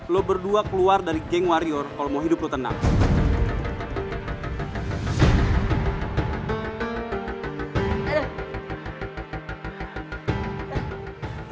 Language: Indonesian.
lo berdua keluar dari geng warrior kalau mau hidup lo tenang